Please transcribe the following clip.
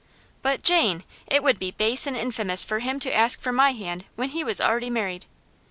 "But, Jane, it would be base and infamous for him to ask for my hand when he was already married."